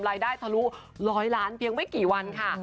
รายได้สรุ๑๐๐ล้านเพียงไม่กี่วันค่ะ